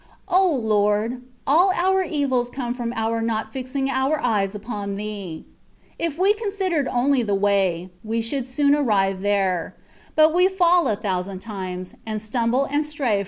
O Lord ! all our evils come from our not fixing our eyes upon Thee. If we considered only the way, we should soon arrive there ; but we fall a thousand times, and stumble and stray from the *'' Una determinacioncilla."